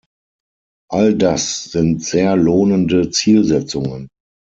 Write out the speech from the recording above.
All das sind sehr lohnende Zielsetzungen.